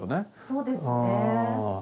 そうですね。